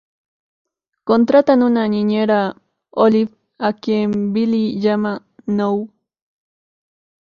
Contratan una niñera, Olive, a quien Billy llama "Nou".